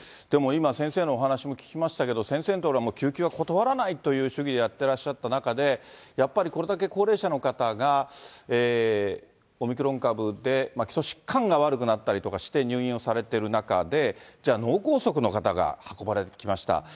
でも今、先生のお話も聞きましたけれども、先生のところはもう救急は断らないという主義でやってらっしゃった中で、やっぱりこれだけ高齢者の方が、オミクロン株で基礎疾患が悪くなったりとかして、入院をされている中で、じゃあ脳梗塞の方が運ばれてきました。